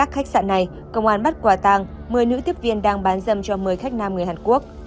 khách sạn này công an bắt quả tàng một mươi nữ tiếp viên đang bán dâm cho một mươi khách nam người hàn quốc